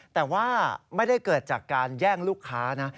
แต่ว่าไม่ได้เกิดจากการแย่งลูกค้านะ